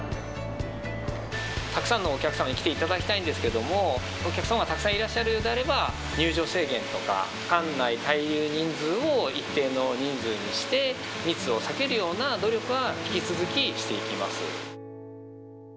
たくさんのお客様に来ていただきたいんですけれども、お客様がたくさんいらっしゃるようであれば、入場制限とか、館内滞留人数を一定の人数にして、密を避けるような努力は、引き続きしていきます。